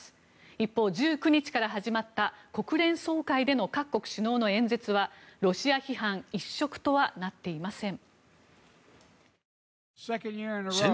一方、１９日から始まった国連総会での各国首脳の演説はロシア批判一色とはなっていません。